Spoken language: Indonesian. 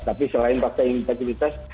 tapi selain fakta integritas